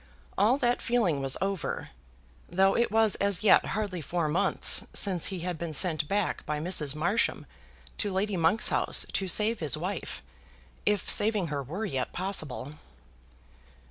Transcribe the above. All that feeling was over, though it was as yet hardly four months since he had been sent back by Mrs. Marsham to Lady Monk's house to save his wife, if saving her were yet possible.